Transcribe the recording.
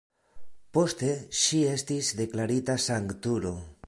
Poste ŝi estis deklarita sanktulo.